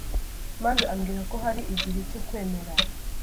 maze ambwira ko hari igihe cyo ‘kwemera